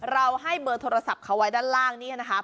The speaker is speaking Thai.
ให้เบอร์โทรศัพท์เขาไว้ด้านล่างนี่นะครับ